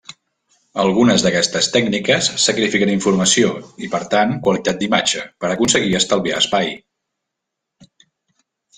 Algunes d'aquestes tècniques sacrifiquen informació, i per tant qualitat d'imatge, per aconseguir estalviar espai.